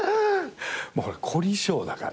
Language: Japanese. もう凝り性だから。